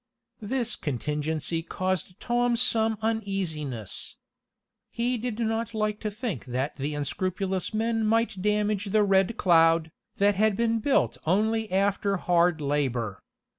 This contingency caused Tom some uneasiness. He did not like to think that the unscrupulous men might damage the Red Cloud, that had been built only after hard labor.